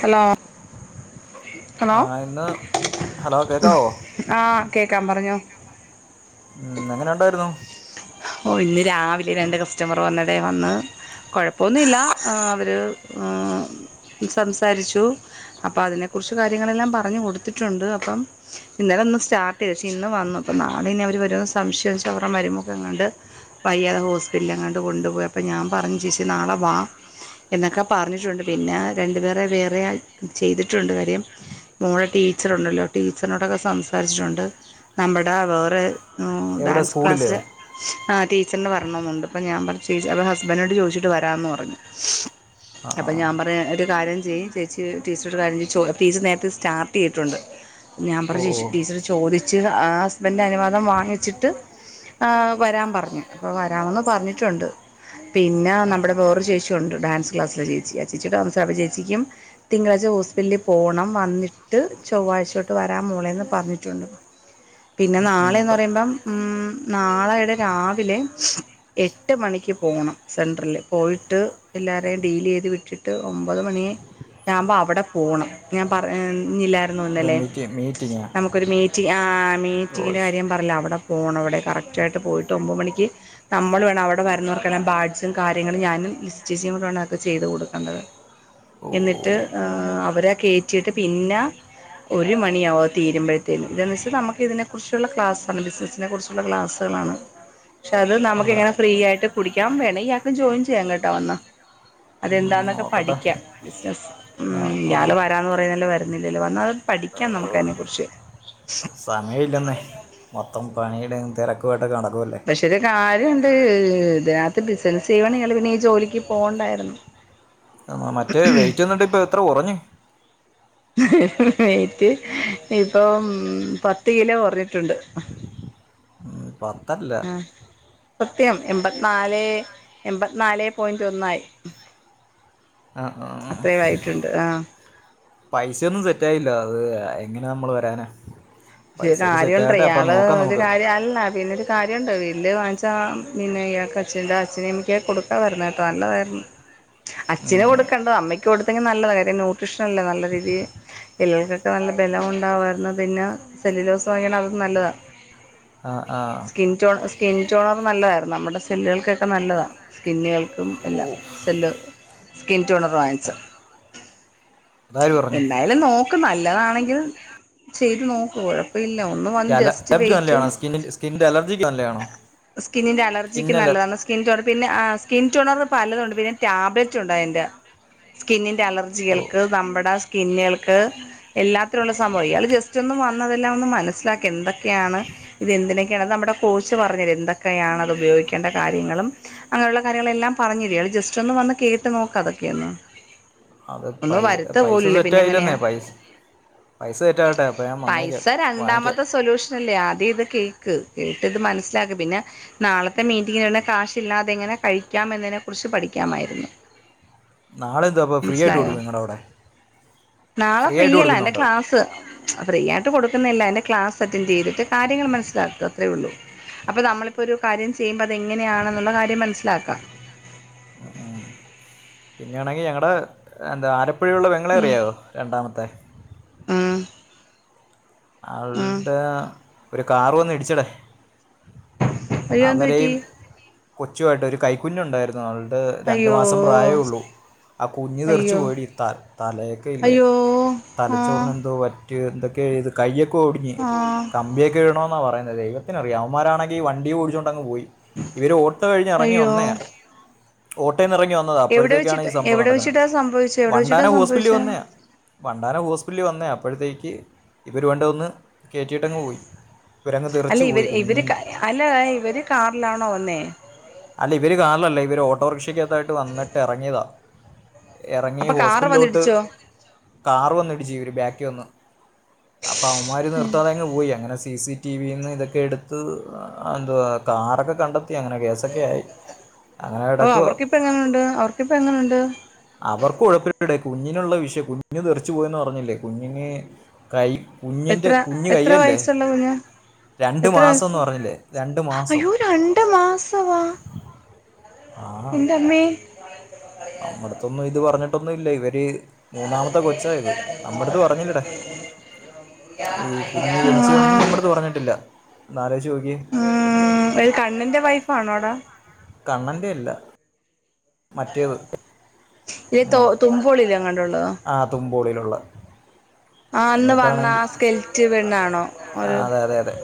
Hello hello ആഹ് എന്നാ hello കേക്കാവോ? ആഹ് കേക്കാം പറഞ്ഞോ ഉം എങ്ങനെ ഉണ്ടായിരുന്നു. ഓഹ് ഇന്ന് രാവിലെ രണ്ട് കസ്റ്റമർ വന്നടേ വന്ന് കൊഴപ്പോന്നുമില്ല എഹ് അവര് ഏഹ് സംസാരിച്ചു അപ്പൊ അതിനെ കുറിച്ച് കാര്യങ്ങളെല്ലാം പറഞ്ഞു കൊടുത്തിട്ടുണ്ട്, അപ്പം ഇന്നലെ ഒന്ന് സ്റ്റാർട്ട് ചെയ്തു. പക്ഷേ ഇന്ന് വന്നു. അപ്പൊ നാളെ ഇനി അവര് വരുമോന്ന് സംശയാച്ച, അവരുടെ മരുമോക്ക് എങ്ങാണ്ട് വയ്യാതെ ഹോസ്പിറ്റലില് എങ്ങാണ്ട്‌ കൊണ്ടു പോയി അപ്പോ ഞാൻ പറഞ്ഞു ചേച്ചി നാളെ വാ എന്നൊക്കെ പറഞ്ഞിട്ടുണ്ട്. പിന്നെ രണ്ടുപേരെ വേറെയായ് ചെയ്തിട്ടുണ്ട് കാര്യം മോളെ ടീച്ചറുണ്ടല്ലോ ടീച്ചർനോടൊക്കെ സംസാരിച്ച്ട്ടുണ്ട് നമ്മുടെ വേറെ എവിടെ ഡാൻസ് സ്കൂളില്ലേ ക്ലാസ്സിലെ ആഹ് ടീച്ചർന് വരണോന്നുണ്ട് പ്പ ഞാൻ പർഞ്ഞു ചേച്ചി അപ്പൊ ഹസ്ബൻഡിനോട് ചോയ്ച്ചിട്ട് വരാന്ന് പറഞ്ഞു. ആ ആ അപ്പം ഞാൻ പറയ്യാ ഒരു കാര്യം ചെയ്യ് ചേച്ചി ടീച്ചറൊരു കാര്യം ചെയ ചോ ടീച്ചർ നേരത്തെ സ്റ്റാർട്ട് ചെയ്ത്ട്ടുണ്ട് ഞാൻ പറ ഓ ഓ ആ ടീച്ചറ് ചോദിച്ച് ഹസ്ബൻഡിന്റെ അനുവാദം വാങ്ങിച്ചിട്ട് വരാൻ പറഞ്ഞു അപ്പൊ വരാമെന്ന് പറഞ്ഞിട്ടുണ്ട് പിന്നെ നമ്മുടെ വേറൊരു ചേച്ചിയുണ്ട് ഡാൻസ് ക്ലാസ്സിലെ ചേച്ചി ആ ചേച്ചിയോട് [unintelligible] അപ്പൊ ചേച്ചിക്കും തിങ്കളാഴ്ച ഹോസ്പിറ്റല് പോണം വന്നിട്ട് ചൊവ്വാഴ്ച തൊട്ട് വരാം മോളേന്ന് പറഞ്ഞിട്ടുണ്ട്. പിന്നെ ഉം, ഉം, നാളേന്ന് ഇപ്പം പറയുമ്പം ഉം നാളെയുടെ രാവിലെ. എട്ട് മണിക്ക് പോണം സെൻട്രല് പോയിട്ട് എല്ലാരെയും ഡീലെയ്ത് വിട്ടിട്ട് ഒമ്പത് മണി. യാമ്പം അവടെ പോണം ഞാൻ പറഞ്ഞില്ലാ ന്നു ഇത് ന്നലെ മീറ്റി മീറ്റിങ്ങാ നമുക്കൊരു മീറ്റ് ആ ഓ മീറ്റിങ്ങിന്റെ ശ് കാര്യം പറഞ്ഞ്‌ലേ അവടെ പോണം അവടെ കറക്റ്റായിട്ട് പോയിട്ട് ഒമ്പ മണിക്ക് നമ്മള് വേണം അവടെ വരുന്നോർക്കെല്ലാം ബാഡ്ജും കാര്യങ്ങളും ഞാനും ലിസി ചേച്ചിം കൂടെ വേണം അതൊക്കെ ചെയ്ത് കൊടുക്കണ്ടത് ഓ എന്നിട്ട് അവരെ കേറ്റിട്ട് പിന്നാ ഒരു മണിയാവും അത് തീരുമ്പഴ്ത്തേന് ഇതെന്ന് വെച്ച് നമുക്ക് ഇതിനെ കുറിച്ചുള്ള ക്ലാസ്സാണ് ബിസിനസിനെ കുറിച്ച് ള്ള ക്ലാസുകളാണ് പക്ഷെ അത് നമുക്ക് കൊള്ളാം ഇങ്ങനെ ഫ്രീ ആയിട്ട് കുടിക്കാ വേണേ ആർക്കും ജോയിൻ ചെയ്യാൻ കേട്ടോ വന്നാ ഉം, അതെന്താന്നൊക്കെ നോക്കട്ടെ പഠിക്കാ ബിസിനസ്സ് ഉം ആ ആ ഇയാള് വരാന്ന് പറഞ്ഞാല് വരുന്നില്ലല്ലോ വന്നാ അത് പഠിക്കാം നമുക്കയ്നെക്കുറിച്ച് സമയില്ലെന്നേ മൊത്തം പണിയുടെ തിരക്കുവായിട്ട് നടക്കു ക്ഷേ ഒരു കാര്യണ്ട് ഇതിനകത്ത് ബിസിനസ്സ് ചെയ്യുവാണെങ്കി ഇയാള് പിന്നെ ഈ ജോലിക്ക് പോണ്ടായിരുന്നു. മറ്റേ വെറ്റ്ന്നിട്ട് ഇപ്പം എത്ര കൊറഞ്ഞ്‌ വെയ്‌റ്റ് ഇപ്പം പത്ത് കിലോ കൊറഞ്ഞിട്ടുണ്ട് ഉം, പത്തല്ല ആഹ് സത്യം എമ്പത്ത് നാലേ എമ്പത്ത് നാലേ പോയിന്റ് ഒന്നായി ആ ആ ആ. അത്രയും ആയിട്ടുണ്ട് ആഹ് പൈസയൊന്നും സെറ്റ് ആയില്ലാ അത് എങ്ങനെ മ്മള് വരാനാ. പക്ഷെ പൈസയൊക്കെ കാര്യണ്ട്ര് സെറ്റാകട്ടെ അപ്പം ഇയാള് നോക്കാം ഒരു നമുക്ക് കാര്യം അല്ല പിന്നൊരു കാര്യണ്ട്‌ ബില്ല് വാങ്ങിച്ചാ പിന്നെ ഇയാക്ക് അച്ഛന്റെ അച്ഛനീം മ്മക്കൊക്കെ കൊടുക്കാവരായിരുന്നു കെട്ടോ നല്ലതായിരുന്നു. അച്ഛന് ഉം. കൊടുക്കണ്ട അമ്മയ്ക്ക് കൊടുത്തെങ്കി നല്ലതായിരുന്നു ന്യൂട്രീഷൻ അല്ലേ നല്ല രീതീ ചേലോൽക്കൊക്കെ നല്ല ബലംവുണ്ടാവായിരുന്നു പിന്നെ സെല്ലിലോസ് വാങ്ങിയണെ അതും നല്ലതാ ആഹ് ആഹ് സ്കിൻ ചോ സ്കിൻ ചോണറും നല്ലതായിരുന്നു നമ്മുടെ സെല്ലുകൾക്കൊക്കെ നല്ലതാ. സ്കിന്നുകൾക്കും ഓ എല്ലാം സെല്ല് സ്കിൻ ടോണർ വാങ്ങിച്ച അതാര് പറഞ്ഞു അയ്ല് നോക്ക് നല്ലതാണെങ്കിൽ ചെയ്ത് നോക്ക് കൊഴ പ്പില്ല ഒന്ന് ഈ വന്ന് അല ജസ്റ്റ് അലർജി വെയ്റ്റും നല്ലതാണോ സ്കിന്നിൽ സ്കിന്നിൻ്റെ അലർജിക്ക് നല്ലതാണോ സ്കിന്നിന്റെ അലർജിക്ക് സ്കിൻ അലർ നല്ലതാണ് സ്കിൻ ടോണർ പിന്നെ ആഹ് സ്കിൻ ടോണറ് പലതും ഉണ്ട് പിന്നെ ടാബ്ലറ്റ് ഉണ്ട് അയിന്റെ സ്കിന്നിന്റെ ഓ അലർജികൾക്ക് നമ്മടെ സ്കിന്നുകൾക്ക് എല്ലാത്തിനുള്ള സംഭവം ഇയാള് ജസ്റ്റ് ഒന്നും വന്നതെല്ലാം ഒന്ന് മനസ്സിലാക്ക് എന്തൊക്കെയാണ് ഇത് എന്തിനൊക്കെയാണ് നമ്മടെ കോച്ച് പറഞ്ഞരും എന്തൊക്കെയാണ് അത് ഉപയോഗിക്കേണ്ട കാര്യങ്ങളും അങ്ങനെയുള്ള കാര്യങ്ങളെല്ലാം പറഞ്ഞു തരും ഇയാള് ജസ്റ്റ് ഒന്ന് വന്ന് കേട്ട് നോക്ക് അതൊക്കെയൊന്ന് അത് ഒന്നും പൈ വരുത്ത പൈസ പോലുമില്ല പിന്നെ എങ്ങനെയാ സെറ്റായില്ലെന്നേ പൈസ് പൈസ സെറ്റ് ആവട്ടെ അപ്പോൾ ഞാൻ പൈസ വന്നേക്കാം വാങ്ങിക്കാം രണ്ടാമത്തെ സൊല്യൂഷൻ അല്ലേ ആദ്യം ഇത് കേക്ക് കേട്ട് ഇത് മനസ്സിലാക്ക് പിന്നെ നാളത്തെ മീറ്റിങ്ങിനെന്നെ കാശ് ഇല്ലാതെ എങ്ങനെ കഴിക്കാം എന്നതിനെ കുറിച്ച് പഠിക്കാമായിരുന്നു നാളെ എന്തോ അപ്പോൾ ഫ്രീ ആയിട്ട് മനസിലായോ കൊടുക്കും നിങ്ങളുടെ അവിടെ നാളെ ഫ്രീ ആയിട്ട് ഫ്രീയല്ല അയിന്റെ കൊടുക്കുന്നുണ്ട് ക്ലാസ്സ് ഫ്രീ ആയിട്ട് കൊടുക്കുന്നില്ല അതിൻ്റെ ക്ലാസ് അറ്റൻഡ് ചെയ്തിട്ട് കാര്യങ്ങള് മനസ്സിലാക്ക അത്രേ ഉള്ളൂ. അപ്പൊ നമ്മളിപ്പോ ഒരു കാര്യം ചെയ്യുമ്പോ അത് എങ്ങനെയാണെന്നുള്ള കാര്യം മനസ്സിലാക്കാം പിന്നെയാണെങ്കി ഞങ്ങടെ എന്താ ആലപ്പുഴ ഉള്ള പെങ്ങളെ അറിയാവോ രണ്ടാമത്തെ ഊം അവ്ടാ ഒരു കാറ് വന്ന് ഇടിച്ചടേ അയ്യോ എന്ത് പറ്റി അവരെയും കൊച്ചുമായിട്ട് ഒരു കൈക്കുഞ്ഞുണ്ടായിരുന്നു അവള്ടെ രണ്ട് അയ്യോ മാസം പ്രായേ ഉള്ളൂ ആ കുഞ്ഞ് തെറിച്ച് അയ്യോ പോയെടി ത തലയൊക്കെ ഇല്ലേ അയ്യോ ആ തലച്ചോറിന് എന്തോ പ റ്റി എന്തൊക്കെയോ ചെയ്ത് കയ്യൊക്കെ ഒടിഞ്ഞ് ആ കമ്പിയൊക്കെ ഇടണൊന്നാ പറയുന്നത് ദൈവത്തിനറിയാം അവന്മാരാണെങ്കിൽ വ ണ്ടി ഓടിച്ചോണ്ടങ്ങ് പോയി. ഇവര് ഓട്ടോ കഴിഞ്ഞ് എറങ്ങി അയ്യോ വന്നയാ ഓട്ടോന്നെറങ്ങി വ ന്നതാ എവിടെ അപ്പോഴത്തേക്കാണ് ഈ വെച്ചിട്ട് സംഭവം എവിടെ നടക്കുന്നത് വെച്ചിട്ടാ സംഭവിച്ചെ എവിടെ വെച്ചിട്ടാ വണ്ടാന ഹോസ്പിറ്റലി സംഭവിച്ചെ വന്നയാ വണ്ടാന ഹോസ്പിറ്റല് വന്നേയാ അപ്പോഴത്തേക്ക് ഇവര് വണ്ടി വന്ന് കേറ്റി വിട്ടങ്ങ് പോയി ഇവരങ്ങ് തെറിച്ച് പോയി കുഞ്ഞ് അല്ലടാ ഇവര് കാറിലാണോ വന്നേ? അല്ല ഇവര് കാറിലല്ല ഇവര് ഓട്ടോറിക്ഷക്കകത്തായിട്ട് വന്നിട്ട് എറങ്ങിയതാ. എറങ്ങി അപ്പൊ കാറ് ഹോസ്പിറ്റലിലോട്ട് വന്നിടിച്ചോ കാർ വന്നിടിച്ച് ഇവര് ബാക്കിൽ വന്ന് അപ്പ അവൻമാര് നിർത്താതെ അങ്ങ് പോയി അങ്ങനെ സി സി ടി വിന്ന് ഇതൊക്കെ എടുത്ത് എന്തുവാ കാറൊക്കെ കണ്ടെത്തി അങ്ങനെ കേസൊക്കെ ആയി. അങ്ങനെ ഓഹ് കിടക്കുക അവർക്കിപ്പ എങ്ങനെയുണ്ട് അവർക്കിപ്പ എങ്ങനുണ്ട്? അവർക്ക് കൊഴപ്പല്ലെടെ കുഞ്ഞിനുള്ള വിഷയം കുഞ്ഞു തെറിച്ചു പോയെന്ന് പറഞ്ഞില്ലേ കുഞ്ഞിന് കൈ കുഞ്ഞിന്റെ എത്ര കുഞ്ഞ് എത്ര കയ്യല്ലേ വയസ്സുള്ള കുഞ്ഞാ രണ്ട് എത്ര മാസംന്ന് വയസ്സ് പറഞ്ഞില്ലേ രണ്ട് മാസം അയ്യോ രണ്ട് മാസവാ? ആ എൻ്റെമ്മേ നമ്മടത്തൊന്നും ഇത് പറഞ്ഞിട്ടൊന്നും ഇല്ല ഇവര് മൂന്നാമത്തെ കൊച്ചാ ഇത് നമ്മടെടുത്ത് പറഞ്ഞില്ലട ഈ കുഞ്ഞ് ജനിച്ചൊന്നും ആഹ് നമ്മടെ അടുത്ത് പറഞ്ഞിട്ടില്ല. ഒന്നാലോയ്ച്ചു നോക്ക്യേ ആഹ് ഒരു കണ്ണന്റെ വൈഫാണോടാ? കണ്ണന്റെ അല്ല മറ്റേത് ഇല്ലെ തൊ മൂന് തുമ്പോളില്ലേ എങ്ങാണ്ടുള്ളതോ ആഹ് തുമ്പോളിലുള്ള ആഹ് അന്ന് വന്ന ആ സ്കെൽറ്റ് പെണ്ണാണോ ആ, ഒരു അതെ അതെ അതെ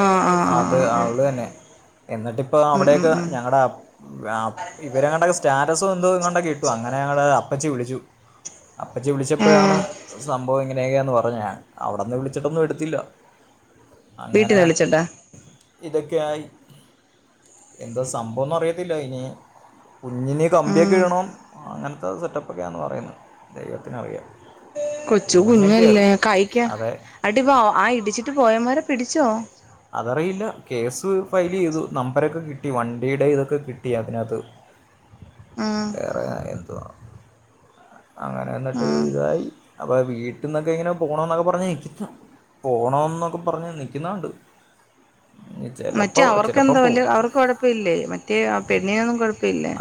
ആഹ് ആഹ് ആഹ് അത് ആഹ് ആഹ് അവള് തന്നെ എന്നിട്ടിപ്പ ഉം ഉം അവിടെയൊക്കെ ഉം ഞങ്ങടെ അ ഇവരാണെങ്കി സ്റ്റാറ്റസും എന്തൊ ഏതാണ്ടെക്ക ഇട്ടു അങ്ങനെ ഞങ്ങള് അപ്പച്ചി വിളിച്ചു അപ്പച്ചി വിളിച്ചപ്പോഴാണ് സംഭവം ഇങ്ങനെയൊക്കെയാന്ന് പറഞ്ഞെ അവിടെന്ന് വിളിച്ചിട്ടൊന്നും എടുത്തില്ല. വീട്ടിൽ അങ്ങനെ വിളിച്ചിട്ടോ? ഇതൊക്കെയായി എന്താ സംഭവംന്ന് അറിയത്തില്ല ഇനി കുഞ്ഞിന് കമ്പിയൊക്കെ ഉം ഇടണം അങ്ങനത്തെ സെറ്റപ്പൊക്കെയാന്ന് പറയുന്ന് ദൈവത്തിന് അറിയാം. കൊച്ചു കുഞ്ഞല്ലേ കയ്ക്ക അടി പാവ ആ ഇടിച്ചിട്ട് പോയവൻമാരെ പിടിച്ചോ? അതറിയില്ല കേസ് ഫയൽ ചെയ്തു നമ്പരൊക്കെ കിട്ടി. വണ്ടിയുടെ ഇതൊക്കെ കിട്ടി. അതിനകത്ത് ആഹ് [unintelligible] എന്തുവാ അങ്ങനെ ന്ന്ട്ട് ആഹ് ആയി അപ്പോ വീട്ടിന്നൊക്കെ ഇങ്ങനെ പോകണ എന്നൊക്കെ പറഞ്ഞ് [unintelligible] പോകണം എന്നൊക്കെ പറഞ്ഞ് നിക്കുന്നത് കണ്ട് മറ്റേ ചിലപ്പോൾ അവർക്കെന്തൊ വല്ല്യ പോവും അവർക്ക് കൊഴപ്പല്ലേ മറ്റേ ആ പെണ്ണിനൊന്നും കൊഴ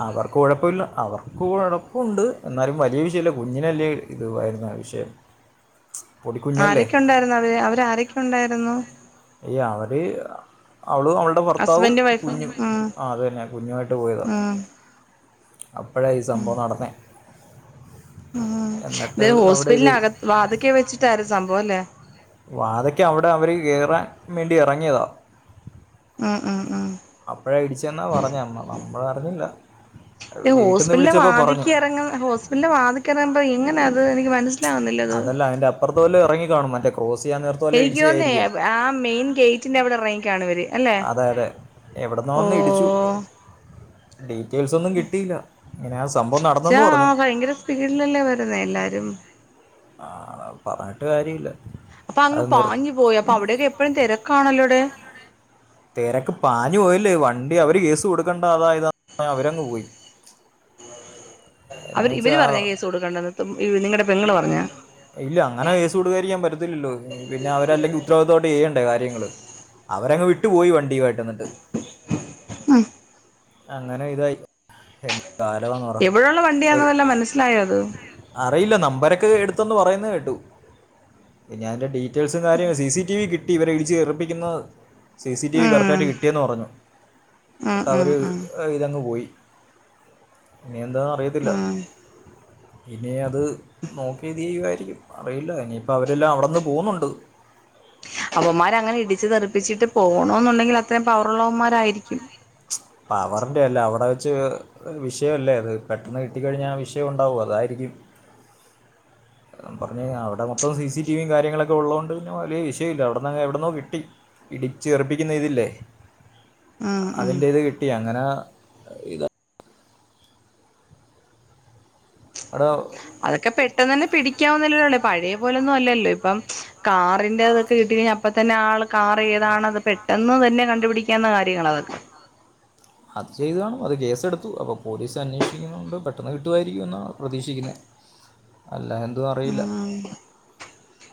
അവർക്ക് കുഴപ്പമില്ല അവർ സ്കൂളടപ്പമുണ്ട് എന്നാലും വലിയ വിഷയമില്ല കുഞ്ഞിനല്ലേ ഇതയിരുന്ന വിഷയം പൊടിക്കുഞ്ഞല്ലേ ആരൊക്കെ ഉണ്ടായിരുന്നു അവര് അവര് ആരൊക്കെ ഉണ്ടായിരുന്നു അവര് അവളും അവളു ടെ ഭർത്താവും ഹസ്ബൻഡും വൈഫും കുഞ്ഞു ഉം ആ അത് തന്നെയാ കുഞ്ഞുമായിട്ട് പോയതാണ് ഉം അപ്പോഴാ ഈ സംഭവം നടന്നേ ഉം ഇത് അവിടെ ഇത് ഹോസ്പിറ്റലിനകത്ത് വാത്ക്കെ വെച്ചിട്ടായിര് സംഭവം അല്ലേ വാതയ്ക്ക അവിടെ അവർ കയറാൻ വേണ്ടി ഇറങ്ങിയതാ ഉം ഉം ഉം അപ്പോഴ അടിച്ചെന്നാ പറഞ്ഞ അമ്മ നമ്മള് അറിഞ്ഞില്ല ഹോസ്പിറ്റലിലെ വാതിക്കെ ഇറങ്ങ ഹോസ്പിറ്റലിലെ വാതിക്കല് എന്താ ഇങ്ങനെ അത് എനിക്ക് മനസ്സില അതല്ല അതിന്റെ അപ്പറത്ത് വല്ലേ ഇറങ്ങി കാണും മറ്റേ ക്രോസ് ചെയ്യാൻ നേര എനിക്ക് തോന്ന്നേ ആ മെയിൻ ഗേറ്റിന്റെ അവിടെ ഇറങ്ങിക്കാണും അവര് അല്ലെ അതെ എവിട്ന്നോ ഓ വന്ന് ഇടിച്ചു ഡീറ്റെയിൽസ് ഒന്നും കിട്ടിയില്ല ഇങ്ങനെ ആ സംഭവം നടന്നന്ന് പറഞ്ഞു വീടിലല്ലേ വരുന്നേ എല്ലാരും ആഹ് പറഞ്ഞിട്ട് കാര്യമില്ല അപ്പൊ അങ്ങ് അത് നിർ പാഞ്ഞു പോയി അപ്പെ അവിടെയൊക്കെ എപ്പഴും തിരക്കാണല്ലോടെ തിരക്ക് പാഞ്ഞു പോയില്ലേ വണ്ടി അവര് കേസ് കൊടുക്കേണ്ട അതാ ഇതാ പറഞ് അവരങ്ങ് പോയി എന്ന് അവര് ഇവര് വെച്ചാൽ പറഞ്ഞ കേസ് കൊടുക്കണ്ടന്ന നിങ്ങളടെ പെങ്ങൾ പറഞ്ഞോ ഇല്ല അങ്ങനെ കേസ് കെടുക്കായിരിക്കാൻ പറ്റത്തില്ലല്ലോ പിന്നെ അവര് അല്ലെങ്കിൽ ഉത്തരവാദിത്തത്തോട്ട് ചെയ്യേണ്ടേ കാര്യങ്ങള് അവരങ് വിട്ടു പോയി വണ്ടിയുമായിട്ട് എന്നട്ട് ഉം അങ്ങനെ ഇതായി കാലമാന്ന് പറഞ്ഞു എവിടെയുള്ള വണ്ടിയാണന്ന് വല്ലേ മനസ്സിലായോ അത് അറിയില്ല നമ്പരൊക്കെ എടുത്തന്ന് പറയുന്നേ കേട്ടു ഞൻ എൻന്റെ ഡീറ്റെയിൽസും കാര്യം സി സി ടി വി കിട്ടി ഇവരെ ഇടിച്ച് തെറുപ്പിക്കുന്നത് C C T V correct ഉം ആയിട്ട് കിട്ടിയെന്ന് പറഞ്ഞു ഉം എന്നിട്ട് ഉം അവര് ഉം അയില് അങ്ങ് പോയി ഇനി എന്താെന്ന് അറിയത്തില്ല ഉം ഇനി അത് നോക്കിയ ഇത് ചെയ്യു ആയിരിക്കും അറിയില്ല ഇനിയിപ്പം അവരെല്ലാം അവിടെന്ന് പോകുന്നുണ്ട് അവൻമാര് അങ്ങനെ ഇടിച്ച് തെറുപ്പിച്ചിട്ട് പോകണം എന്നുണ്ടെങ്കിൽ അത്രയും പവർ ഉള്ളവൻമാർ ആയിരിക്കും പവറിന്റെ അല്ല അവിടെ വെച്ച് ഒരു വിഷയല്ലേ അത് പെട്ടെന്ന് കിട്ടിക്കഴിഞ്ഞാൽ വിഷയം ഉണ്ടാവും അതായിരിക്കും പറഞ്ഞ അവിടെ മൊത്തം സി സ ടി വി യും കാര്യങ്ങളൊക്കെ ഉള്ളത് കൊണ്ട് പിന്നെ വലിയ വിഷയമില്ല അവിടെന്ന് എവിടുന്നേ കിട്ടി ഇടിച്ച് തെറുപ്പിക്കുന്ന ഇതില്ലേ ഉം ഉം അതിന്റേത് കിട്ടി അങ്ങനെ ഇത് അവിടെ അതൊക്കെ പെട്ടെന്ന് തന്നെ പിടിക്കാവുന്നല്ലല്ലേ പഴയ പോലെന്നും അല്ലോ ഇപ്പം കാറിന്റെറ അതൊക്കെ കിട്ടി കഴിഞ്ഞാ അപ്പം തന്നെ ആള് കാർ ഏതാണ് അത് പെട്ടെന്ന് തന്നെ കണ്ടുപിടിക്കാവുന്ന കാര്യങ്ങൾ അതൊക്കെ അത് ചെയ്തണും അത് കേസെടുത്തു അപ്പോൾ പോലീസ് അന്വേഷിക്കുന്നണ്ട് പെട്ടെന്ന് കിട്ടുമായിരിക്കും എന്നാണ് പ്രതീക്ഷിക്കുന്നത് അല്ല എന്തും അറിയില്ല ഉം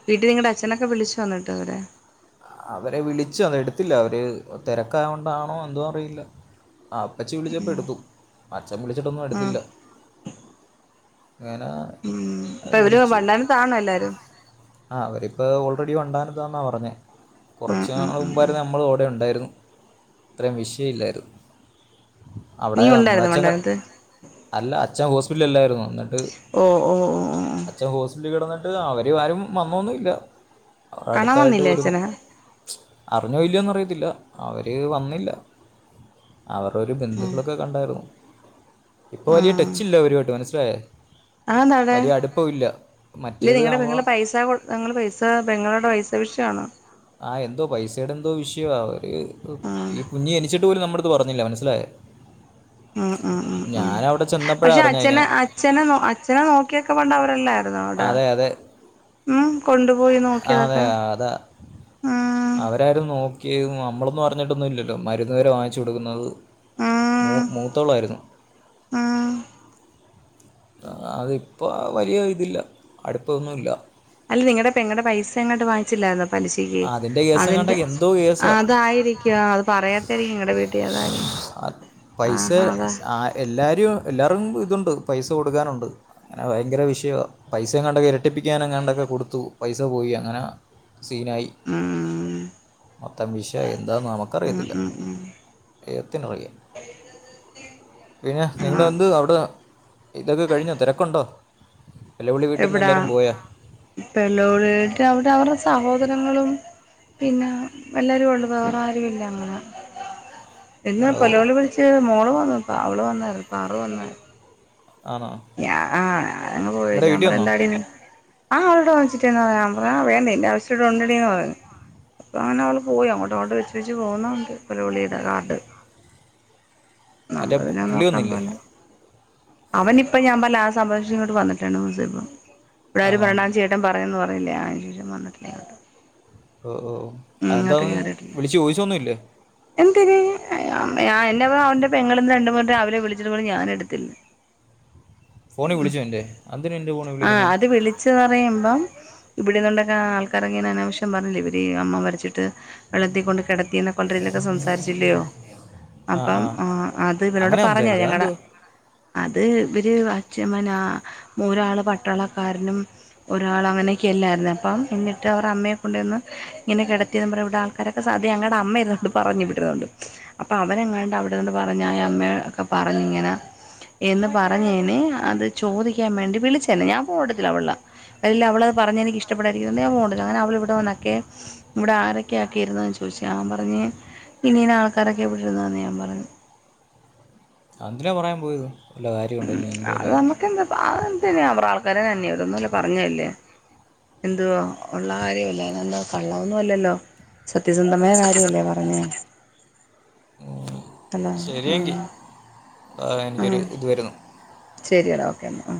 വീട്ടിൽ നിങ്ങളുടെ അച്ഛനൊക്കെ വിളിച്ചു എന്നിട്ട് അവരെ അവരെ വിളിച്ചു അത് എടുത്തില്ല അവര് തിരക്കായ കൊണ്ടാണോ എന്തോ അറിയില്ല ആഹ് അപ്പച്ചി വിളിച്ചപ്പോ എടുത്തു അച്ചൻ വിളിച്ചിട്ടൊന്നും ആഹ് എട്ത്തില്ല. ഇങ്ങനാ- ഉം ഇപ്പൊ ഇവര് വണ്ടാന താണോ എല്ലാരും ആഹ് അവരിപ്പോ ഓൾറെഡി ഉണ്ടായിര്ന്ന താന്ന പറഞ്ഞെ ഉം കുറച്ച് ഉം ന്നാൾ ഉം മുമ്പ ട്ട് ഉം നമ്മളും ഇവിടെ ഉണ്ടായിരുന്നു ഇത്രേം വിഷയം ഇല്ലായിരുന്നു. അവിടെ നീ ന്നമ്മടെ ഉണ്ടായിരുന്നോ അച്ഛൻ കട് വണ്ടാനത്ത് അല്ല അച്ഛൻ ഹോസ്പിറ്റലി ഇല്ലായിരുന്നു എന്ന്ട്ട്. ഓ ഓ ഉം അച്ഛൻ ഹോസ്പിറ്റലിൽ കിടന്നിട്ട് അവര് ആരും വന്നൊന്നുല്ല അവടെ കാണാൻ അടുത്തായിട്ട് വന്നില്ലേ പോലും. അച്ഛനെ അറിഞ്ഞോ ഇല്ലയോന്ന അറിയത്തില്ല അവര് വന്നില്ല. അവരടെ ഒരു ഉം ബന്ധുക്കളൊക്കെ കണ്ടായിരുന്നു ഇപ്പൊ വലിയ ട്ടെച്ചില്ല അവരുമായിട്ട് മനസ്സിലായാ അതെന്താ അവടെ ഇല്ല മറ്റേത് നിങ്ങളെ നമ്മൾ പെങ്ങള് പൈസ കൊട് ഞങ്ങള് പൈസ പെങ്ങളവടെ പൈസ വിശയാണോ? ആഹ് എന്തോ പൈസയുടെ എന്തോ വിഷയവാ അവര് ആഹ് ഈ കുഞ്ഞ് ജനിച്ചി- ട്ട് പോലും ന്നമ്മടത്ത് പറഞ്ഞില്ല മനസ്സിലായോ ഉം ഉം ഉം ഉം ഞാനവടെ പക്ഷെ അച്ഛന അച്ഛനെ ന്നൊ അച്ഛനെ നോക്കിയൊക്കെ പണ്ട് അവരെല്ലായിരുന്നൊ അവടെ. അതെ അതെ മ് കൊണ്ടുപോയി ആ, അതെ നോക്കിയതൊക്കെ അതാ ഉം അവരാരും നോക്കിയതും നമ്മളൊന്നും അറിഞ്ഞിട്ടൊന്നും ഇല്ലല്ലോ മരുന്ന് വരെ വാങ്ങിച്ചു കൊടുക്കുന്നത്. മൂ ഉം മൂത്തോളായിരുന്നു ഉം അതിപ്പോ വലിയ ഇതില്ല അടുപ്പൊന്നുല്ല അല്ല നിങ്ങടെ പെങ്ങടെ പൈസ എങ്ങാണ്ട് വാങ്ങിച്ചില്ലായിരുന്നോ പലിശയ്ക്ക് അതിൻ്റെ കേസ് അതിന്റെ എങ്ങാണ്ടൊക്കെ എന്തോ കേസാണ് അതായിരിക്കും അത് പറയാത്തായിരിക്കും നിങ്ങടെ വീട്ടില് അതായിരിക്കും. പൈസ ആഹാ അതാ ആ എല്ലാരും എല്ലാർക്കും ഇതുണ്ട് പൈസ കൊടുക്കാനുണ്ട്. അങ്ങനെ ഭയങ്കര വിഷയ വാ പൈസ എങ്ങാണ്ടൊക്കെ ഇരട്ടിപ്പിക്കാൻ എങ്ങാണ്ടൊക്കെ കൊടുത്തു പൈസ പോയി അങ്ങനാ- സീനായി ഉം മൊത്തം വിഷയായി എന്താന്ന് ഉം ന്നമക്കറിയത്തില്ല ഉം ഉം ദെയ് വത്തിനറിയാം പിന്നെ നിങ്ങളെന്ത് ആഹ് അവിടെ ഇതൊക്കെ കഴിഞ്ഞോ തിരക്കുണ്ടോ? ന്നിലവിൽ വീട്ട്ന്ന് എല്ലാരും പോയാ ഇപ്പള്ളോരെയ്ട്ട് അവര് അവരുടെ സഹോദരങ്ങളും. പിന്നെ വെല്ലരും ഇണ്ട് വേറെ ആരുല്ല അങ്ങനെ ഇന്ന് ഓ പലവളി വിളിച്ച് മോള് വന്നു അവള് വന്നായിരുന്നു സാറ് വന്നായ്രുന്നു ആന്നൊ ഞാ ആ നങ് പോയേച്ച് അപ്പറെ എന്താടി ന്നി- ആ അവളോടെ വിളിച്ചിട്ടെ ഇന്ന് വരാൻ പറയാ ആ വേണ്ടെ അതിന്റെ ആവശ്യം ഇവടെ ഉണ്ടടീ ന്ന് പറഞ്ഞു. അപ്പൊ അങ്ങനെ അവള് പോയി അങ്ങോട്ട് ഓട്ട വെച്ച് വെച്ച് പോകുന്നത് കണ്ടു പെല വിളിയുടെ കാർഡ് മറ്റേ നമ്മള് പുള്ളി വന്നില്ലേ? അവൻ ഇപ്പ ഞാൻ പറഞ്ഞിലെ ആ സംഭവത്തിന് ശേഷം ഇങ്ങോട്ട് വന്നിട്ടില്ല രണ്ടു മൂന്നു ദിവസായി പ്പൊ ഇവിടെ ആരും ആണോ ഭരണം ചെയ്യ- കുറ്റം പറയും ന്ന് പറഞ്ഞില്ലേ അതിനുശേഷം വന്നിട്ടില്ല ഇങ്ങോട്ട് ഒ ഓ ഉം ഇങ്ങോട്ട് അതെന്താന്ന് കേറിയിട്ടില്ല വിളിച്ച് ചോയ്ച്ചൊന്നുല്ലേ? എന്തിന് അമ്മയാ എന്നെ വാ അവന്റെ പെങ്ങള് ന്ന് രണ്ട് വട്ടം അവരെ വിളിച്ചിട്ട് പോലും ഞാൻ എടുത്തില്ല. ഫോണി വിളിച്ചോ ന്നിന്റെ അതെന്തിനാ ന്നിന്റെ ഫോണി വിളിക്കുന്നെ വിളിച്ച് പറയുമ്പം ഇവിടെന്നു ണ്ടൊക്കാ ആൾക്കാരൊക്കെ ഇങ്ങനെ അനാവശ്യം പറഞ്ഞില്ലെ ഇവരി അമ്മ മരച്ചിട്ട് വെള്ളത്തി കൊണ്ട് കിടത്തി കൊണ്ടരിലൊക്കെ സംസാരിച്ചില്ലയോ അപ്പം ആ അത് ഇവരോട് അങ്ങനെ സംസാരിച്ചു പറഞ്ഞായ്ര്ന്നു ഞങ്ങള് അതെന്തോ അത് ഇവര് അച്ഛമ്മന മൂരാള് പട്ടാളക്കാരനും ഒരാള് അങ്ങനെയൊക്കെല്ലാര്ന്നു അപ്പം എന്നിട്ട് അവർ അമ്മയെ കൊണ്ട്ചെന്ന് ഇങ്ങനെ കെടത്തിയെന്നും പർഞ്ഞ് ഇവിടെ ആൾ ക്കാരൊക്കെ സാധ്യ ഞങ്ങൾടെ അമ്മയിരുന്നോണ്ട് പറഞ്ഞു ഇവിടിരുന്നോണ്ട് അപ്പ അവനെങ്ങാണ്ട് അവെടെ നിന്ന് പറഞ്ഞ് ഞാന് അമ്മയോടെക്കെ പറഞ്ഞിങ്ങനെ എന്ന് പറഞ്ഞേന് അത് ചോദിക്കാൻ വേണ്ടി വിളിച്ചെന്നെ. ഞാൻ ഫോണെടുത്തില്ല അവൾടെ ഇല്ലാ അവളത് പറഞ്ഞെനിക്ക് ഇഷ്ടപ്പെടായിരിക്കുന്നു ഞാൻ ഫോണെടുത്തില്ല. അങ്ങനെ അവൾ ഇവിടെ വന്നെക്കെ. ഇവടെ ആരെക്കെയാക്കെ ഇരുന്നെന്ന് ചോദിച്ചു. ഞാ പറഞ്ഞു ഇന്നിനാ ആൾക്കാരെക്കെയാ ഇവെടിരുന്നതെന്ന് ഞാൻ പറഞ്ഞു. അതെന്തിനാ പറയാൻ പോയത് വല്ല കാര്യമുണ്ടോ ഉം ഇനി എൻ്റെ അത് കയറി നമ്മെക്കെന്താപ്പ അത് എന്തിന് അവെർറെ ആൾക്കാര് തന്നെയോടുന്നുല്ല. പറഞ്ഞതല്ലേ. എന്തുവാ ഒള്ള കാര്യവല്ലേ. അയ്നെന്താ കള്ളവൊന്നും അല്ലല്ലോ. സത്യസന്ധമായ കാര്യവല്ലേ പറഞ്ഞേ തല്ലേ ആഹ് ആഹ് എനിക്കൊരു ഇത് വെരുന്നു. ശെരിടാ ഓക്കെ എന്നാ ഉം.